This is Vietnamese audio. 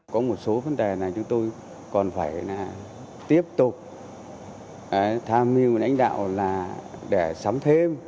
có một số vấn đề này chúng tôi còn phải tiếp tục tham hiệu với đánh đạo để sắm thêm